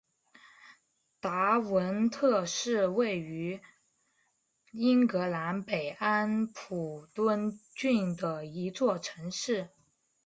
达文特里是位于英格兰北安普敦郡的一座城市。